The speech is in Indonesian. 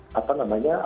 yang memang menjadi